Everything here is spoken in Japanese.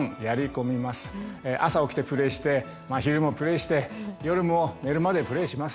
朝起きてプレーして昼もプレーして夜も寝るまでプレーします。